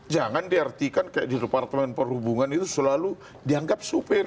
jangan diartikan kayak di departemen perhubungan itu selalu dianggap supir